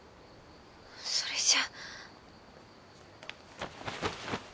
それじゃ。